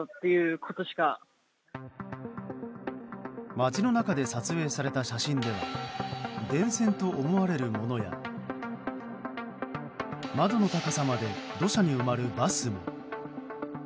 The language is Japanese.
街の中で撮影された写真では電線と思われるものや窓の高さまで土砂に埋まるバスも。